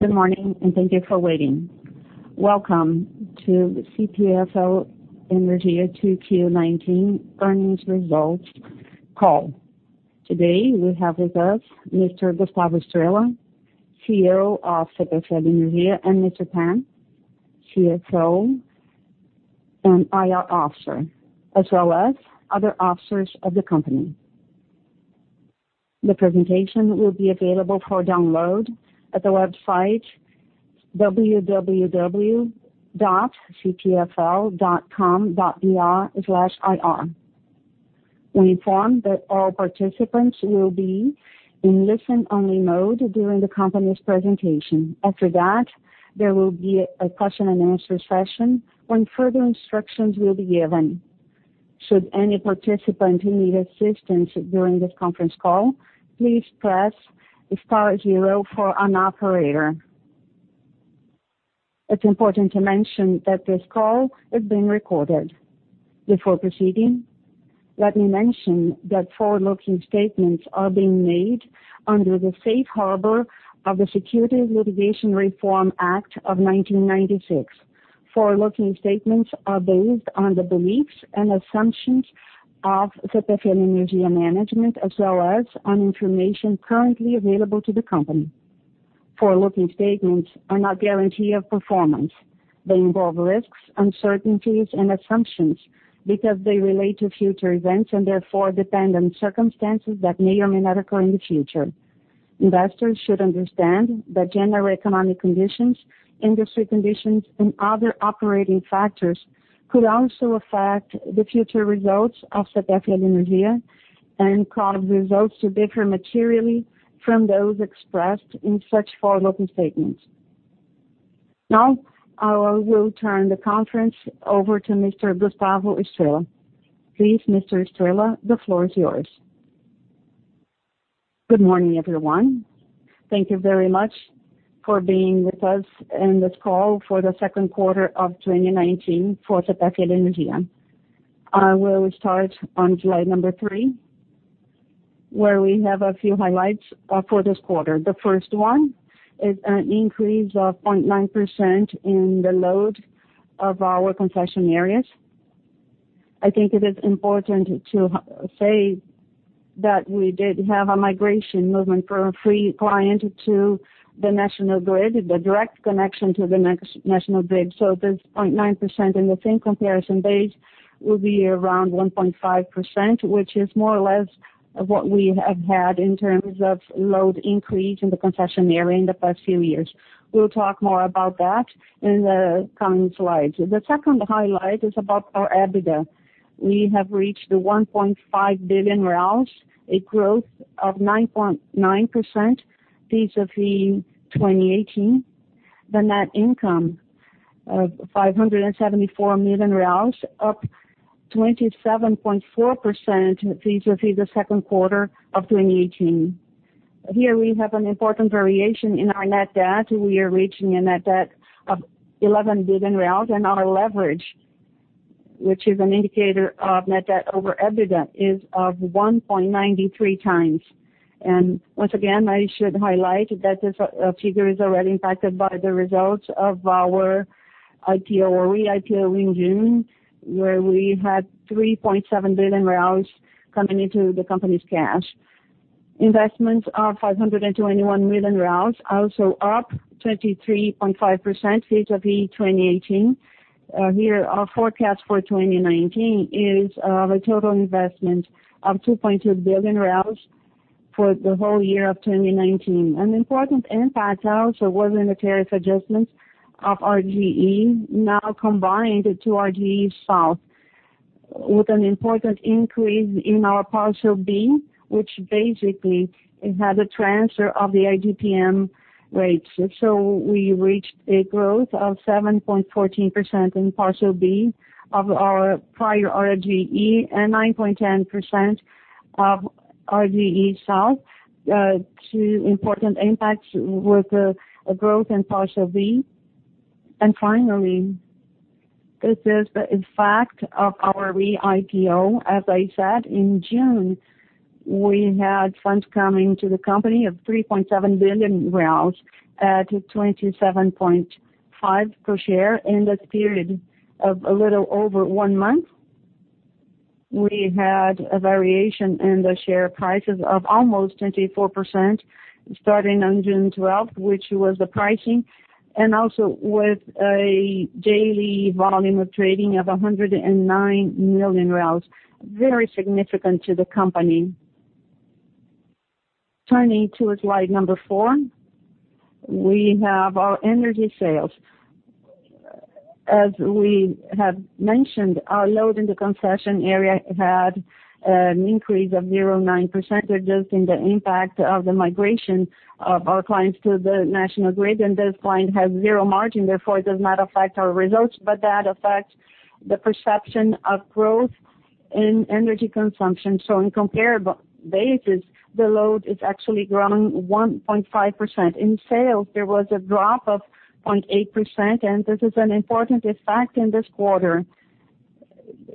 Good morning, and thank you for waiting. Welcome to CPFL Energia 2Q19 earnings results call. Today, we have with us Mr. Gustavo Estrella, CEO of CPFL Energia, and Mr. Pan, CFO and IR Officer, as well as other officers of the company. The presentation will be available for download at the website www.cpfl.com.br/ir. We inform that all participants will be in listen-only mode during the company's presentation. After that, there will be a question-and-answer session when further instructions will be given. Should any participant need assistance during this conference call, please press star zero for an operator. It's important to mention that this call is being recorded. Before proceeding, let me mention that forward-looking statements are being made under the Safe Harbor of the Securities Litigation Reform Act of 1996. Forward-looking statements are based on the beliefs and assumptions of CPFL Energia management, as well as on information currently available to the company. Forward-looking statements are not guarantee of performance. They involve risks, uncertainties, and assumptions because they relate to future events and therefore depend on circumstances that may or may not occur in the future. Investors should understand that general economic conditions, industry conditions, and other operating factors could also affect the future results of CPFL Energia and cause results to differ materially from those expressed in such forward-looking statements. Now, I will turn the conference over to Mr. Gustavo Estrella. Please, Mr. Estrella, the floor is yours. Good morning, everyone. Thank you very much for being with us on this call for the second quarter of 2019 for CPFL Energia. I will start on slide number three, where we have a few highlights for this quarter. The first one is an increase of 0.9% in the load of our concession areas. I think it is important to say that we did have a migration movement from free client to the national grid, the direct connection to the national grid. This 0.9% in the same comparison base will be around 1.5%, which is more or less what we have had in terms of load increase in the concession area in the past few years. We will talk more about that in the coming slides. The second highlight is about our EBITDA. We have reached 1.5 billion, a growth of 9.9% vis-a-vis 2018. The net income of 574 million reais, up 27.4% vis-a-vis the second quarter of 2018. Here we have an important variation in our net debt. We are reaching a net debt of 11 billion, and our leverage, which is an indicator of net debt over EBITDA, is of 1.93 times. Once again, I should highlight that this figure is already impacted by the results of our IPO, or re-IPO in June, where we had BRL 3.7 billion coming into the company's cash. Investments are BRL 521 million, also up 23.5% vis-a-vis 2018. Here, our forecast for 2019 is of a total investment of 2.2 billion for the whole year of 2019. An important impact also was in the tariff adjustments of RGE, now combined to RGE Sul, with an important increase in our Parcel B, which basically had a transfer of the IGPM rates. We reached a growth of 7.14% in Parcel B of our prior RGE and 9.10% of RGE Sul. Two important impacts with a growth in Parcel B. Finally, this is the effect of our re-IPO. As I said, in June, we had funds coming to the company of BRL 3.7 billion at 27.5 per share in this period of a little over one month. We had a variation in the share prices of almost 24%, starting on June 12th, which was the pricing, and also with a daily volume of trading of 109 million, very significant to the company. Turning to slide number four, we have our energy sales. As we have mentioned, our load in the concession area had an increase of 0.9%, adjusting the impact of the migration of our clients to the national grid, and this client has zero margin, therefore it does not affect our results. That affects the perception of growth in energy consumption. In comparable basis, the load is actually growing 1.5%. In sales, there was a drop of 0.8%, and this is an important effect in this quarter.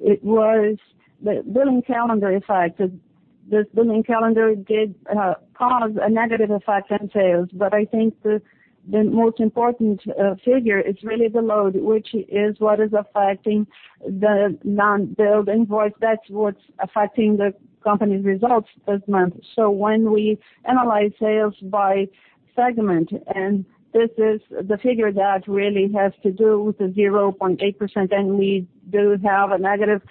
It was the billing calendar effect. The billing calendar did cause a negative effect on sales. I think the most important figure is really the load, which is what is affecting the non-billed invoice. That's what's affecting the company's results this month. When we analyze sales by segment, and this is the figure that really has to do with the 0.8%, and we do have a negative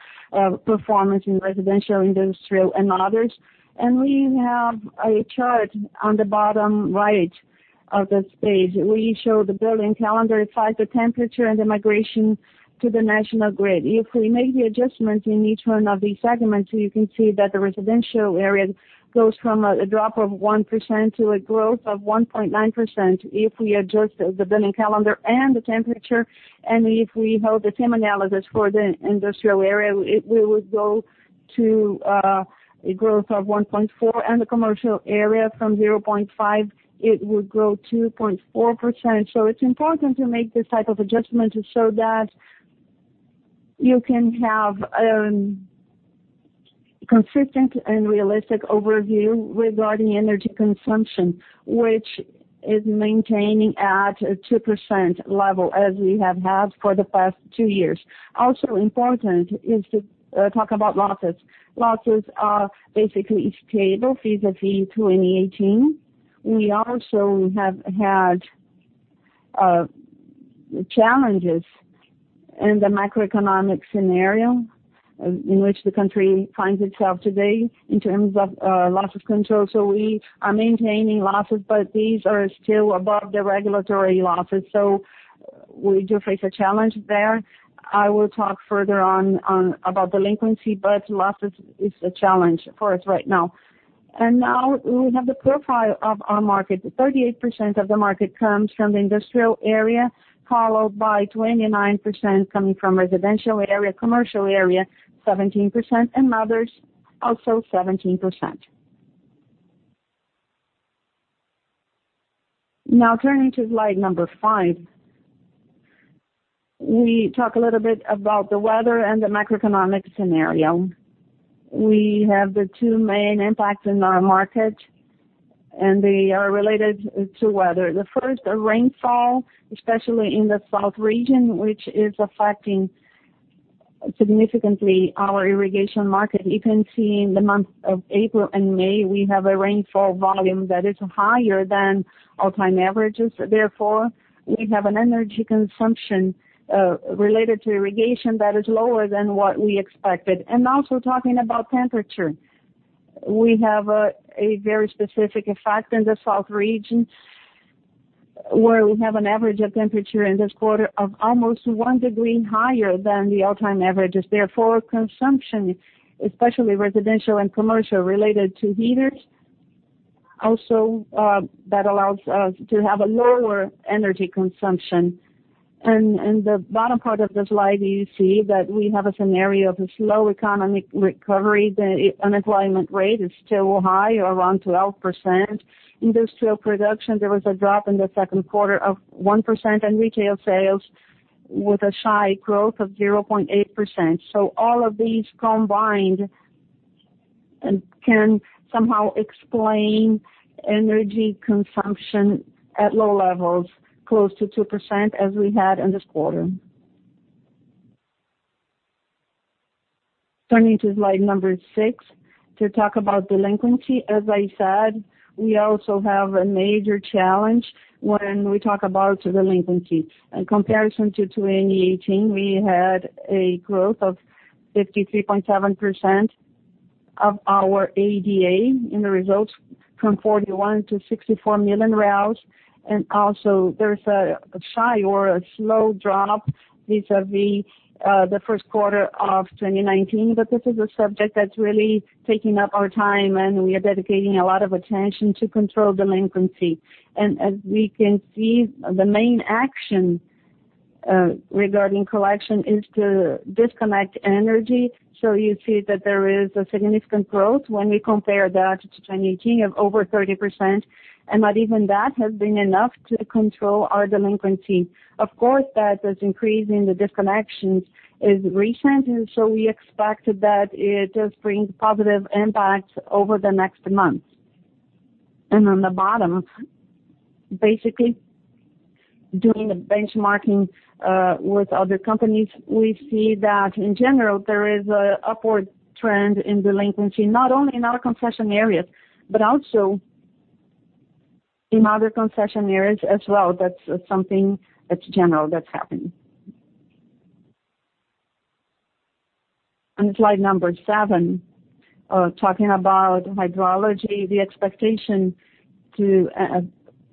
performance in residential, industrial, and others. We have a chart on the bottom right of this page. We show the billing calendar effect, the temperature, and the migration to the national grid. If we make the adjustment in each one of these segments, you can see that the residential area goes from a drop of 1% to a growth of 1.9%. If we adjust the billing calendar and the temperature, and if we hold the same analysis for the industrial area, it will go to a growth of 1.4%, and the commercial area from 0.5%, it would grow 2.4%. It's important to make this type of adjustment to show that you can have a consistent and realistic overview regarding energy consumption, which is maintaining at a 2% level as we have had for the past two years. Also important is to talk about losses. Losses are basically stable vis-a-vis 2018. We also have had challenges in the macroeconomic scenario, in which the country finds itself today in terms of loss of control. We are maintaining losses, but these are still above the regulatory losses. We do face a challenge there. I will talk further on about delinquency, but loss is a challenge for us right now. Now we have the profile of our market. 38% of the market comes from the industrial area, followed by 29% coming from residential area, commercial area 17%, and others also 17%. Now turning to slide number five, we talk a little bit about the weather and the macroeconomic scenario. We have the two main impacts in our market, and they are related to weather. The first, the rainfall, especially in the South region, which is affecting significantly our irrigation market. You can see in the months of April and May, we have a rainfall volume that is higher than all-time averages. Therefore, we have an energy consumption related to irrigation that is lower than what we expected. Also talking about temperature. We have a very specific effect in the South region, where we have an average of temperature in this quarter of almost one degree higher than the all-time averages. Consumption, especially residential and commercial, related to heaters, also that allows us to have a lower energy consumption. The bottom part of the slide, you see that we have a scenario of a slow economic recovery. The unemployment rate is still high, around 12%. Industrial production, there was a drop in the second quarter of 1%, and retail sales with a shy growth of 0.8%. All of these combined can somehow explain energy consumption at low levels, close to 2%, as we had in this quarter. Turning to slide number six to talk about delinquency. As I said, we also have a major challenge when we talk about delinquency. In comparison to 2018, we had a growth of 53.7% of our ADA in the results from 41 million to 64 million. Also there's a shy or a slow drop vis-a-vis the first quarter of 2019. This is a subject that's really taking up our time, and we are dedicating a lot of attention to control delinquency. As we can see, the main action regarding collection is to disconnect energy. You see that there is a significant growth when we compare that to 2018 of over 30%, and not even that has been enough to control our delinquency. Of course, that this increase in the disconnections is recent, we expect that it does bring positive impacts over the next months. On the bottom, basically doing the benchmarking with other companies, we see that in general, there is a upward trend in delinquency, not only in our concession areas, but also in other concession areas as well. That's something that's general that's happening. On slide number seven, talking about hydrology, the expectation to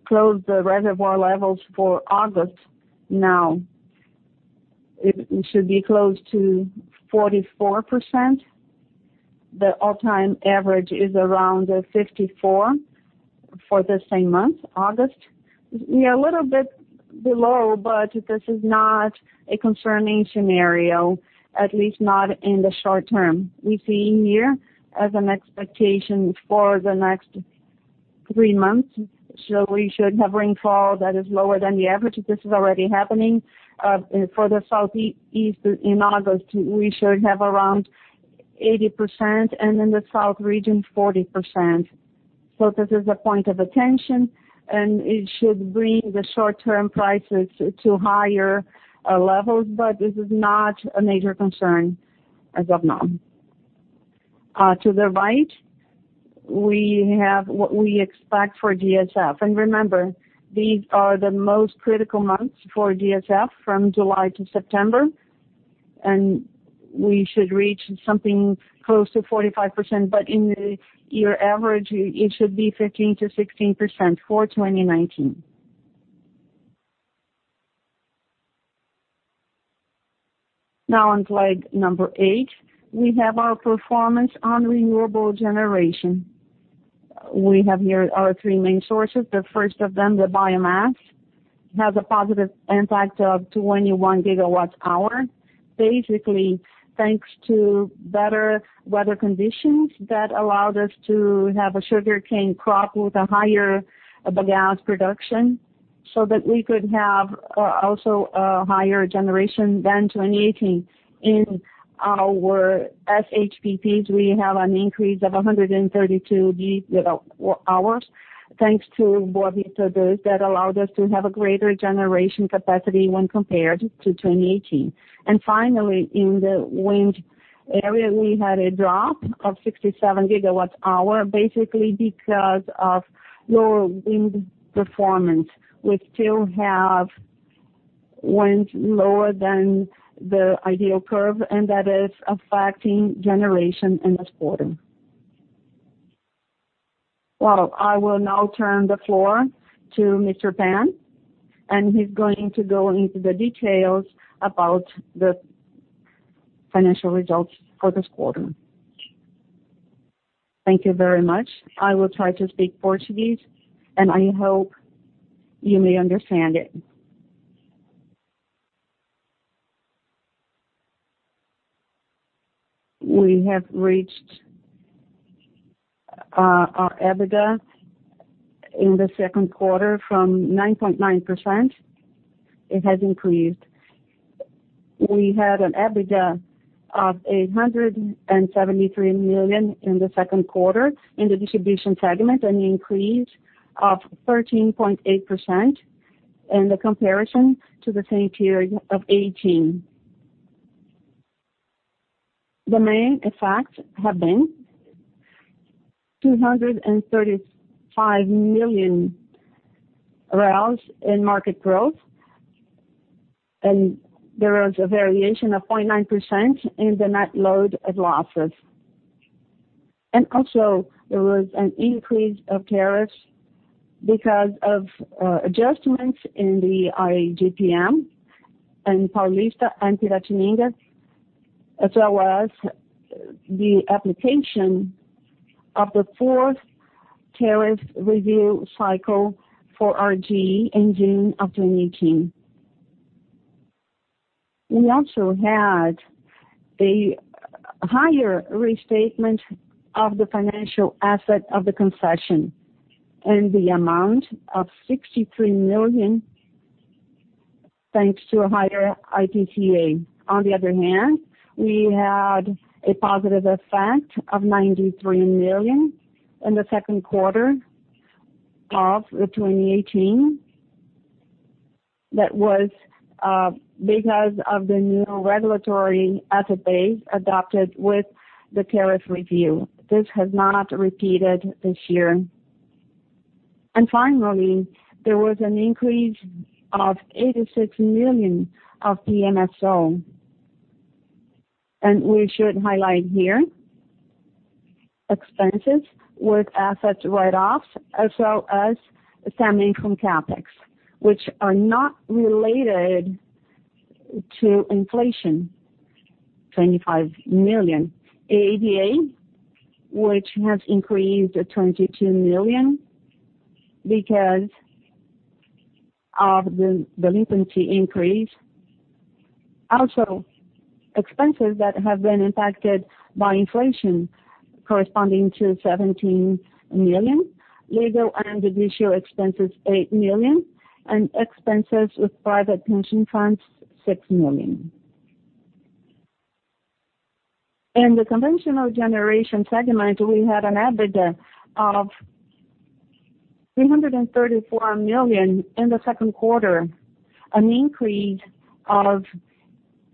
close the reservoir levels for August. Now it should be close to 44%. The all-time average is around 54% for the same month, August. We are a little bit below, this is not a concerning scenario, at least not in the short term. We see here as an expectation for the next three months. We should have rainfall that is lower than the average. This is already happening. For the southeast in August, we should have around 80%, and in the south region, 40%. This is a point of attention, and it should bring the short-term prices to higher levels, but this is not a major concern as of now. To the right, we have what we expect for GSF. Remember, these are the most critical months for GSF, from July to September, and we should reach something close to 45%, but in the year average, it should be 15%-16% for 2019. On slide number eight, we have our performance on renewable generation. We have here our three main sources. The first of them, the biomass, has a positive impact of 21 gigawatt-hours, basically, thanks to better weather conditions that allowed us to have a sugarcane crop with a higher bagasse production, so that we could have also a higher generation than 2018. In our SHPPs, we have an increase of 132 gigawatt hours thanks to Boa Vista do Sul, that allowed us to have a greater generation capacity when compared to 2018. Finally, in the wind area, we had a drop of 67 gigawatts hour, basically because of lower wind performance. We still have wind lower than the ideal curve, that is affecting generation in this quarter. Well, I will now turn the floor to Mr. Pan, he's going to go into the details about the financial results for this quarter. Thank you very much. I will try to speak Portuguese, I hope you may understand it. We have reached our EBITDA in the second quarter from 9.9%. It has increased. We had an EBITDA of 873 million in the second quarter in the distribution segment, an increase of 13.8% in the comparison to the same period of 2018. The main effects have been 235 million in market growth. There was a variation of 0.9% in the net load of losses. Also, there was an increase of tariffs because of adjustments in the AEJPM in Paulista and Piratininga, as well as the application of the fourth tariff review cycle for RGE in June of 2018. We also had a higher restatement of the financial asset of the concession in the amount of 63 million, thanks to a higher IPCA. On the other hand, we had a positive effect of 93 million in the second quarter of 2018. That was because of the new regulatory asset base adopted with the tariff review. This has not repeated this year. Finally, there was an increase of 86 million of PMSO. We should highlight here, expenses with assets write-offs as well as same income CapEx, which are not related to inflation, 25 million. ADA, which has increased to 22 million because of the delinquency increase. Also, expenses that have been impacted by inflation corresponding to 17 million. Legal and judicial expenses, 8 million, and expenses with private pension funds, 6 million. In the conventional generation segment, we had an EBITDA of 334 million in the second quarter, an increase of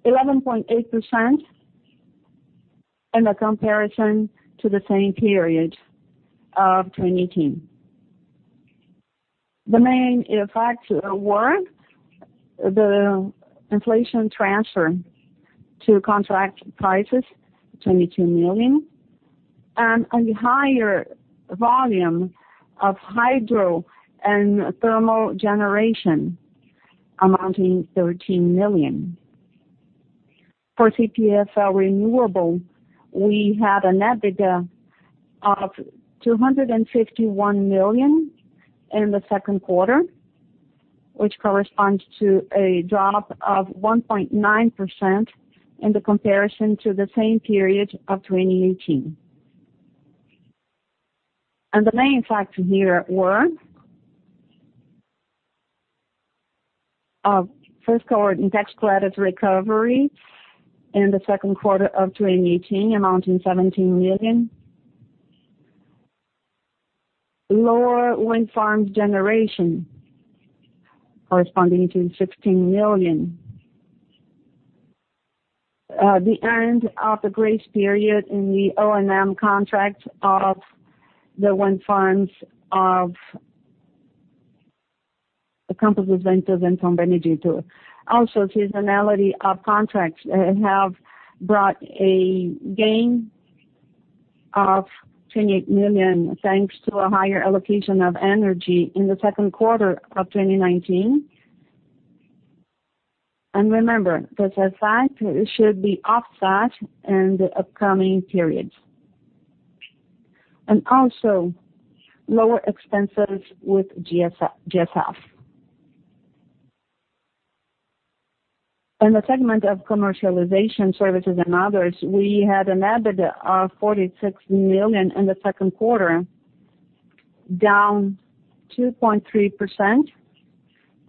11.8% in the comparison to the same period of 2018. The main effects were the inflation transfer to contract prices, 22 million, and a higher volume of hydro and thermal generation amounting BRL 13 million. For CPFL Renewable, we had an EBITDA of 251 million in the second quarter. Which corresponds to a drop of 1.9% in the comparison to the same period of 2018. The main factors here were of first quarter tax credit recovery in the second quarter of 2018, amounting 17 million. Lower wind farms generation, corresponding to BRL 16 million. The end of the grace period in the O&M contract of the wind farms of the Campos dos Ventos and Tomé do Egito. Seasonality of contracts have brought a gain of 28 million, thanks to a higher allocation of energy in the second quarter of 2019. Remember, this effect should be offset in the upcoming periods. Lower expenses with GSF. In the segment of commercialization services and others, we had an EBITDA of 46 million in the second quarter, down 2.3%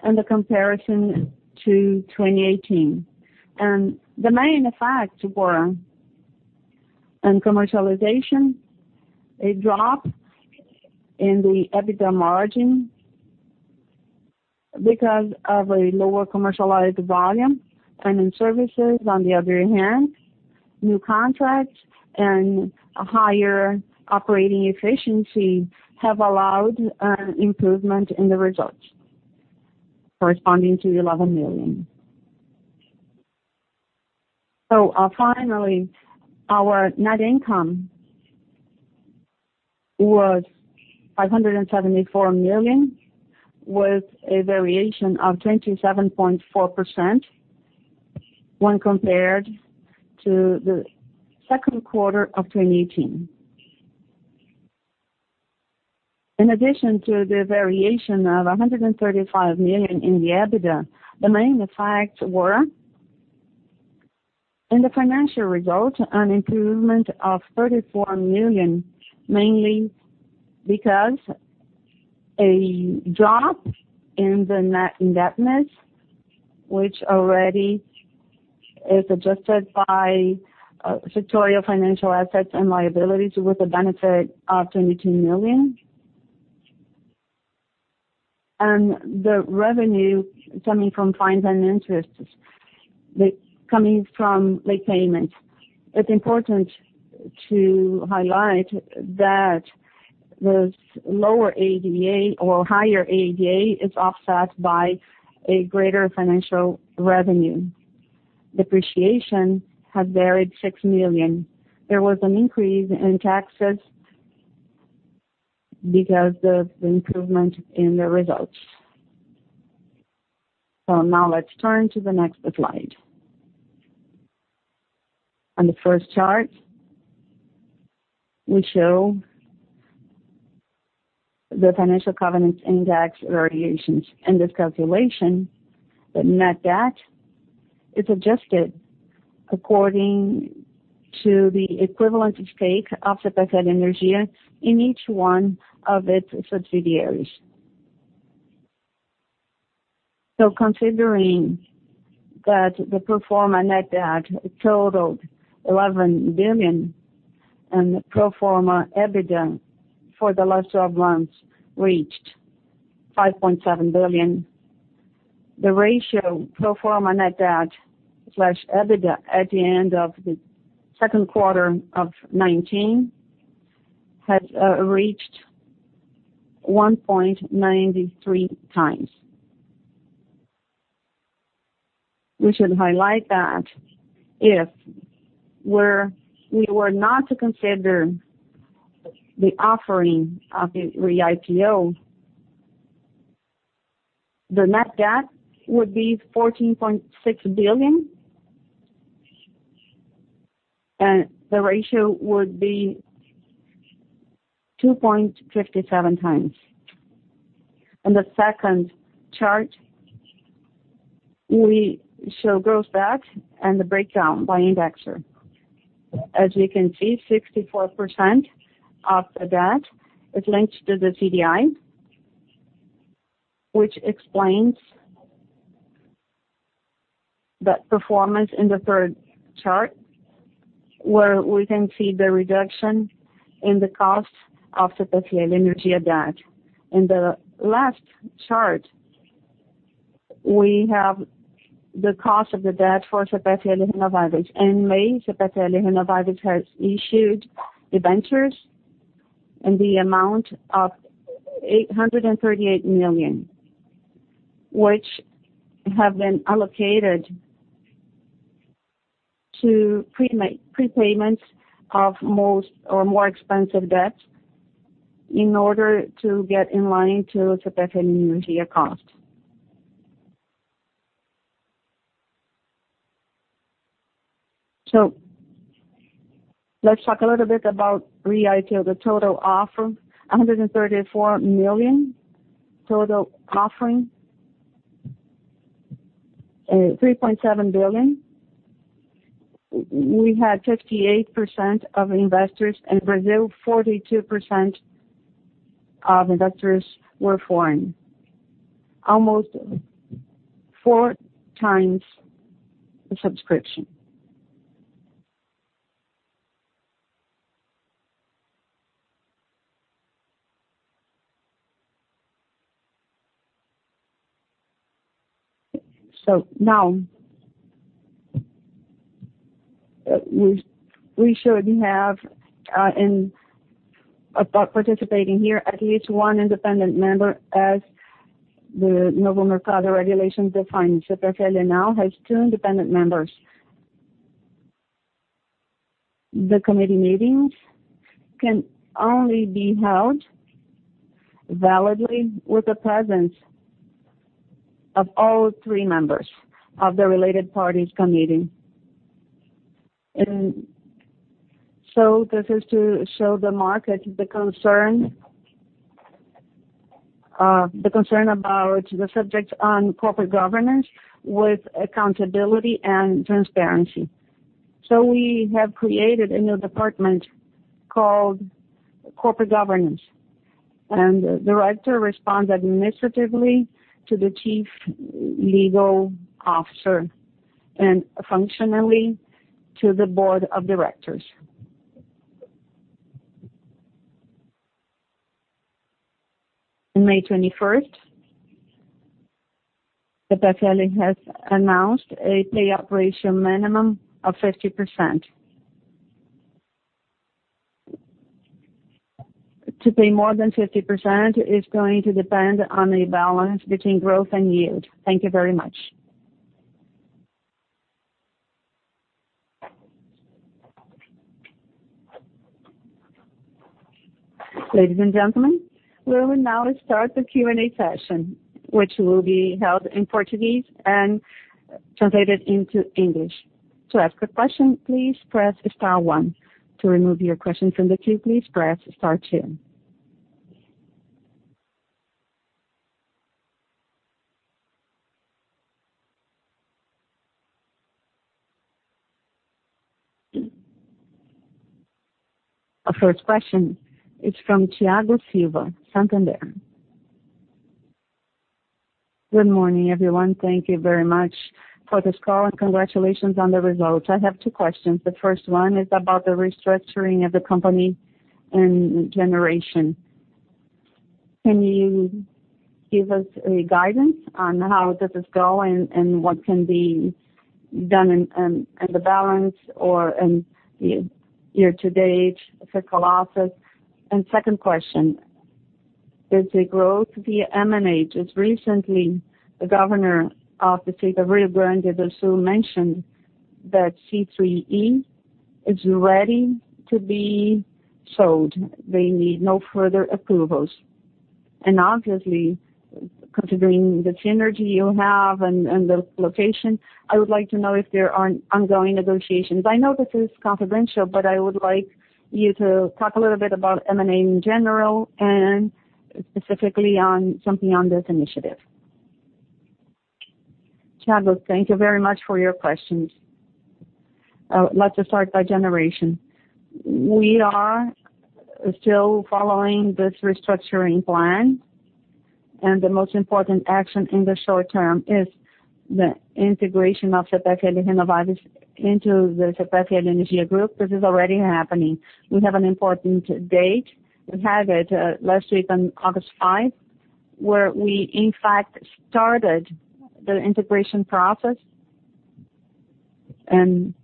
in the comparison to 2018. The main effects were in commercialization, a drop in the EBITDA margin because of a lower commercialized volume. In services, on the other hand, new contracts and a higher operating efficiency have allowed an improvement in the results corresponding to 11 million. Finally, our net income was 574 million, with a variation of 27.4% when compared to the second quarter of 2018. In addition to the variation of 135 million in the EBITDA, the main effects were in the financial result, an improvement of 34 million, mainly because a drop in the net indebtedness, which already is adjusted by factorial financial assets and liabilities with a benefit of 22 million, and the revenue coming from fines and interests, coming from late payments. It's important to highlight that this lower ADA or higher ADA is offset by a greater financial revenue. Depreciation has varied 6 million. There was an increase in taxes because of the improvement in the results. Now let's turn to the next slide. On the first chart, we show the financial covenants index variations and this calculation, the net debt is adjusted according to the equivalent stake of CPFL Energia in each one of its subsidiaries. Considering that the pro forma net debt totaled 11 billion and the pro forma EBITDA for the last 12 months reached 5.7 billion, the ratio pro forma net debt/EBITDA at the end of the second quarter of 2019 has reached 1.93 times. We should highlight that if we were not to consider the offering of the re-IPO, the net debt would be 14.6 billion, and the ratio would be 2.57 times. In the second chart, we show gross debt and the breakdown by indexer. As you can see, 64% of the debt is linked to the CDI, which explains that performance in the third chart, where we can see the reduction in the cost of CPFL Energia debt. In the last chart, we have the cost of the debt for CPFL Renováveis. In May, CPFL Renováveis has issued debentures in the amount of 838 million, which have been allocated to prepayments of most or more expensive debts in order to get in line to CPFL Energia cost. Let's talk a little bit about the total offer, 134 million, total offering 3.7 billion. We had 58% of investors in Brazil, 42% of investors were foreign. Almost four times the subscription. Now, we should have about participating here at least one independent member as the Novo Mercado regulation defines. CPFL now has two independent members. The committee meetings can only be held validly with the presence of all three members of the related parties committee. This is to show the market the concern about the subject on corporate governance with accountability and transparency. We have created a new department called corporate governance, and the director responds administratively to the chief legal officer, and functionally to the board of directors. On May 21st, CPFL has announced a payout ratio minimum of 50%. To pay more than 50% is going to depend on a balance between growth and yield. Thank you very much. Ladies and gentlemen, we will now start the Q&A session, which will be held in Portuguese and translated into English. To ask a question, please press star one. To remove your question from the queue, please press star two. Our first question is from Thiago Silva, Santander. Good morning, everyone. Thank you very much for this call, and congratulations on the results. I have two questions. The first one is about the restructuring of the company and generation. Can you give us a guidance on how does this go, and what can be done in the balance or in the year-to-date fiscal office? Second question, is the growth via M&A. Just recently, the governor of the state of Rio Grande do Sul mentioned that CEEE is ready to be sold. They need no further approvals. Obviously, considering the synergy you have and the location, I would like to know if there are ongoing negotiations. I know this is confidential, but I would like you to talk a little bit about M&A, in general, and specifically on something on this initiative. Thiago, thank you very much for your questions. Let us start by generation. We are still following this restructuring plan. The most important action in the short term is the integration of CPFL Renováveis into the CPFL Energia group. This is already happening. We have an important date. We had it last week on August 5, where we in fact started the integration process, and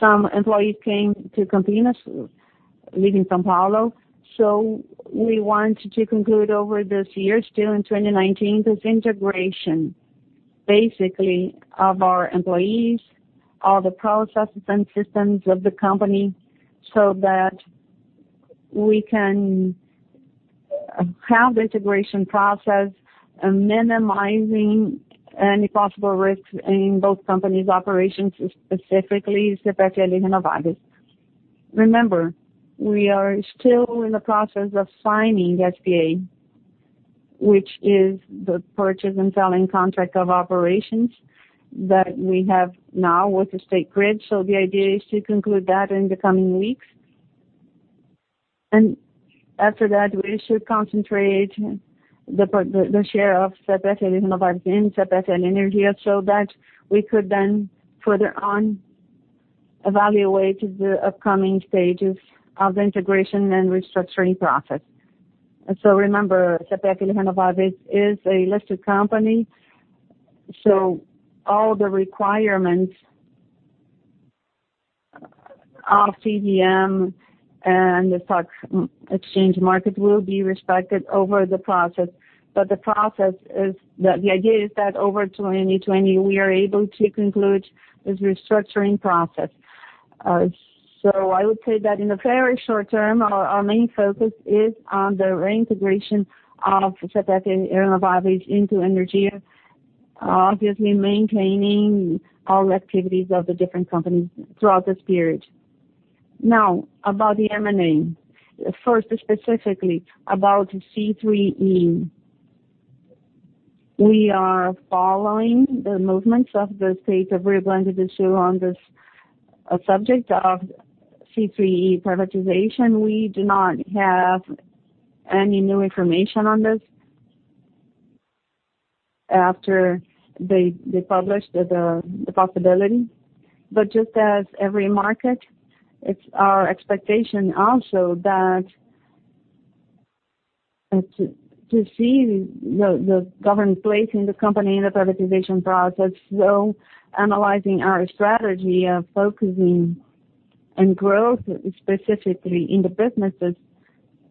some employees came to Campinas, leaving São Paulo. We want to conclude over this year, still in 2019, this integration, basically, of our employees, all the processes and systems of the company, so that we can have the integration process minimizing any possible risks in both companies' operations, specifically CPFL Renováveis. Remember, we are still in the process of signing SPA, which is the purchase and selling contract of operations that we have now with the State Grid. The idea is to conclude that in the coming weeks. After that, we should concentrate the share of CPFL Renováveis in CPFL Energia so that we could then further on evaluate the upcoming stages of the integration and restructuring process. Remember, CPFL Renováveis is a listed company, so all the requirements of CVM and the stock exchange market will be respected over the process. The idea is that over 2020, we are able to conclude this restructuring process. I would say that in the very short term, our main focus is on the reintegration of CPFL Energia into Energia, obviously maintaining all activities of the different companies throughout this period. Now, about the M&A. First, specifically about CEEE. We are following the movements of the State of Rio de Janeiro on this subject of CEEE privatization. We do not have any new information on this after they published the possibility. Just as every market, it's our expectation also to see the government placing the company in the privatization process. Analyzing our strategy of focusing on growth, specifically in the businesses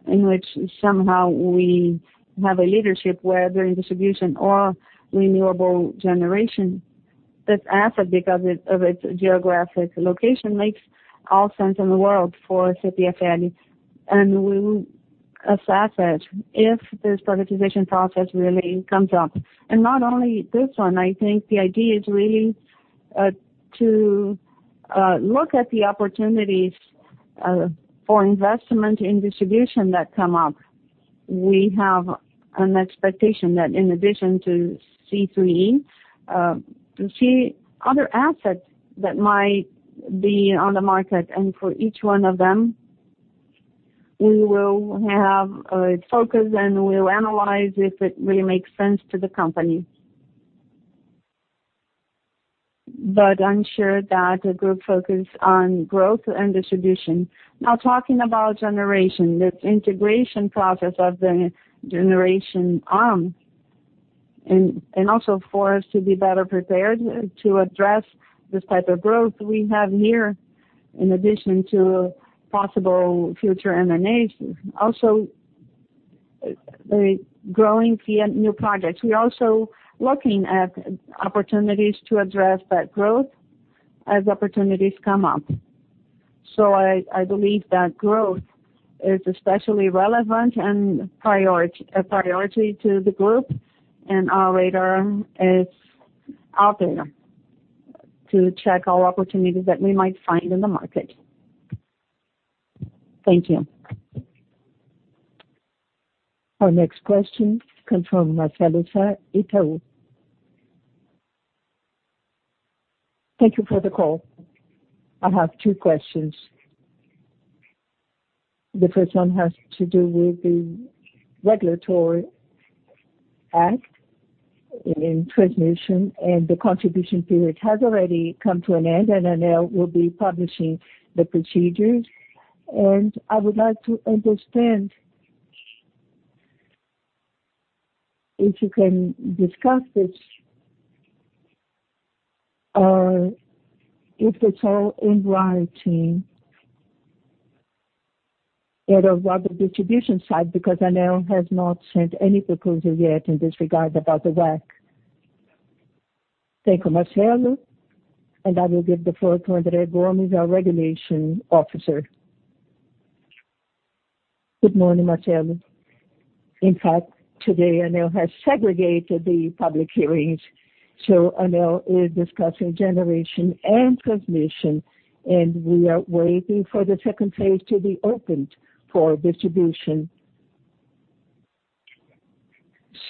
in which somehow we have a leadership, whether in distribution or renewable generation. This asset, because of its geographic location, makes all sense in the world for CPFL, and we will assess it if this privatization process really comes up. Not only this one, I think the idea is really to look at the opportunities for investment in distribution that come up. We have an expectation that in addition to CEEE, to see other assets that might be on the market, and for each one of them, we will have a focus and we'll analyze if it really makes sense to the company. I'm sure that the group focus on growth and distribution. Talking about generation, this integration process of the generation arm, and also for us to be better prepared to address this type of growth we have here in addition to possible future M&As. The growing new projects. We're also looking at opportunities to address that growth as opportunities come up. I believe that growth is especially relevant and a priority to the group, and our radar is out there to check all opportunities that we might find in the market. Thank you. Our next question comes from Marcelo Sá, Itaú. Thank you for the call. I have two questions. The first one has to do with the regulatory act in transmission, and the contribution period has already come to an end, and ANEEL will be publishing the procedures. I would like to understand, if you can discuss this, or if it's all in writing at the distribution side, because ANEEL has not sent any proposal yet in this regard about the WACC. Thank you, Marcelo. I will give the floor to Andre Guimaraes, our Regulation Officer. Good morning, Marcelo. In fact, today ANEEL has segregated the public hearings. ANEEL is discussing generation and transmission, and we are waiting for the second phase to be opened for distribution.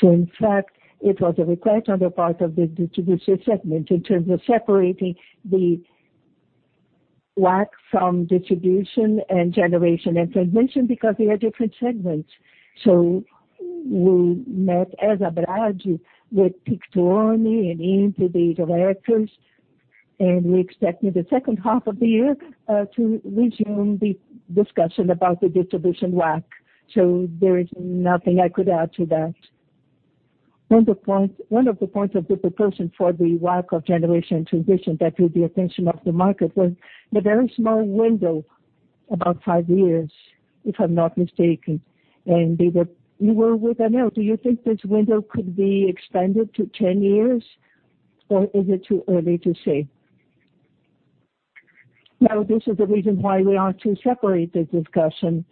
In fact, it was a request on the part of the distribution segment in terms of separating the WACC from distribution and generation and transmission because they are different segments. We met as a board with Pepitone and into the directors, and we expect in the second half of the year to resume the discussion about the distribution WACC. There is nothing I could add to that. One of the points of the proposal for the WACC of generation transmission that drew the attention of the market was the very small window, about five years, if I'm not mistaken. You were with ANEEL, do you think this window could be expanded to 10 years, or is it too early to say? This is the reason why we are to separate the discussion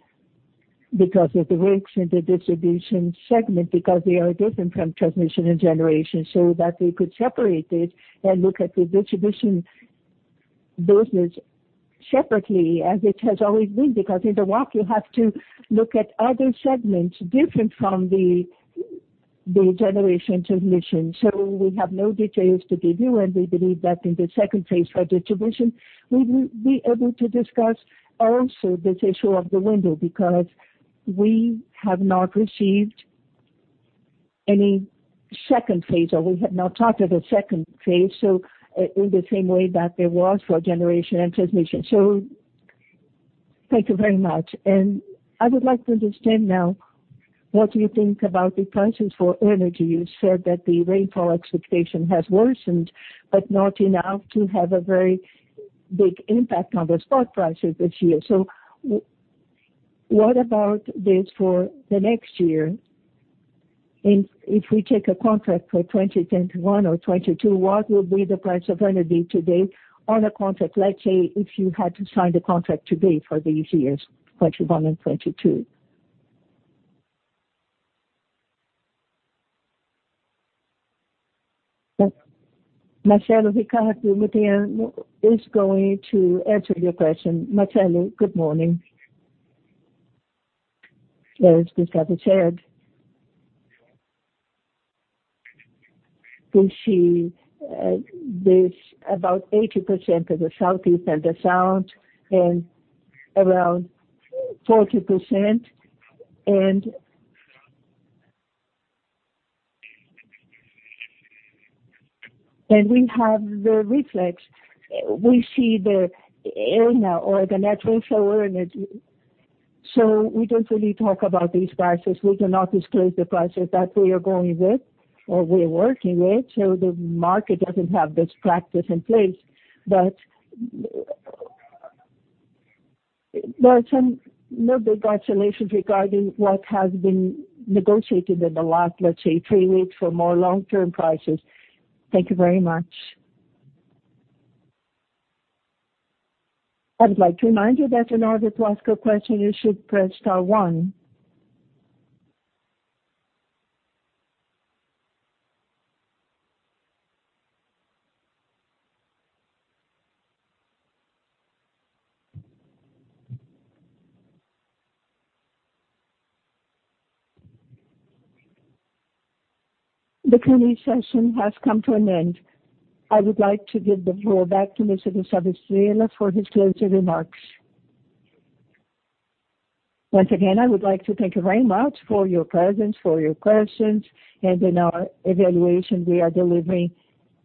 because of the risks in the distribution segment, because they are different from transmission and generation, so that we could separate it and look at the distribution business separately as it has always been. In the WACC, you have to look at other segments different from the generation transmission. We have no details to give you, and we believe that in the second phase for distribution, we will be able to discuss also this issue of the window because we have not received any second phase, or we have not talked of a second phase. In the same way that there was for generation and transmission. Thank you very much. I would like to understand now what you think about the prices for energy. You said that the rainfall expectation has worsened, but not enough to have a very big impact on the spot prices this year. What about this for the next year? If we take a contract for 2021 or 2022, what will be the price of energy today on a contract, let's say, if you had to sign the contract today for these years, 2021 and 2022? Marcelo Ricardo Mutián is going to answer your question. Marcelo, good morning. Where is Mr. Sá? We see this about 80% of the Southeast and the South, and around 40%, and we have the reflex. We see the ENA or the Natural Affluent Energy. We don't really talk about these prices. We cannot disclose the prices that we are going with or we're working with, so the market doesn't have this practice in place. There are some no big calculations regarding what has been negotiated in the last, let's say, three weeks for more long-term prices. Thank you very much. I would like to remind you that in order to ask a question, you should press star one. The Q&A session has come to an end. I would like to give the floor back to Mr. Gustavo Estrella for his closing remarks. Once again, I would like to thank you very much for your presence, for your questions, in our evaluation, we are delivering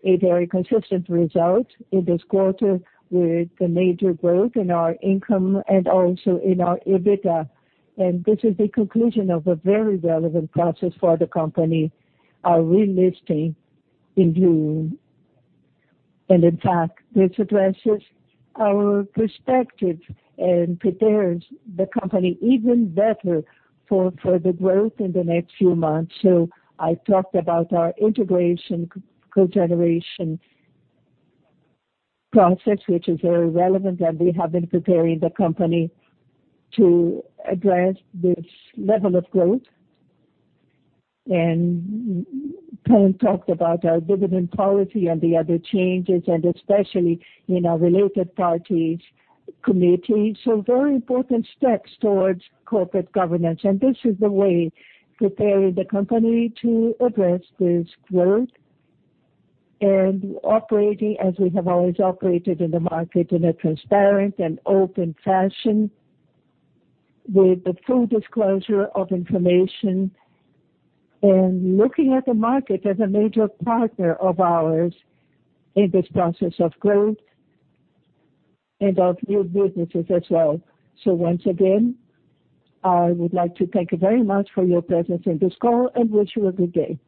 a very consistent result in this quarter with the major growth in our income and also in our EBITDA. This is the conclusion of a very relevant process for the company, our relisting in June. In fact, this addresses our perspective and prepares the company even better for the growth in the next few months. I talked about our integration cogeneration process, which is very relevant, and we have been preparing the company to address this level of growth. Pan talked about our dividend policy and the other changes, and especially in our related parties committee. Very important steps towards corporate governance, and this is the way preparing the company to address this growth and operating as we have always operated in the market in a transparent and open fashion with the full disclosure of information and looking at the market as a major partner of ours in this process of growth and of new businesses as well. Once again, I would like to thank you very much for your presence in this call and wish you a good day.